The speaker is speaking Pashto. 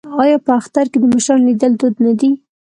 آیا په اختر کې د مشرانو لیدل دود نه دی؟